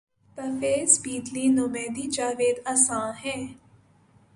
بہ فیض بیدلی نومیدیٴ جاوید آساں ہے